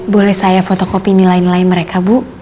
boleh saya fotokopi nilai nilai mereka bu